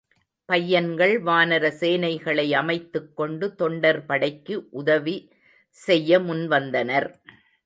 பையன்கள் வானரசேனைகளை அமைத்துக்கொண்டு தொண்டர் படைக்கு உதவி செய்ய முன்வந்தனர்.